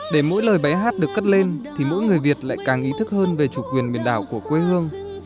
để mỗi lời bài hát được cất lên thì mỗi người việt lại càng ý thức hơn về chủ quyền biển đảo của quê hương